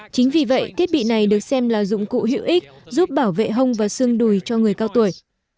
chính vì vậy thiết bị này được xem là dụng cụ hữu ích giúp bảo vệ hông và xương đùi cho người cao tuổi